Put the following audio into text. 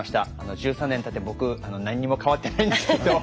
１３年たって僕何にも変わってないんですけど。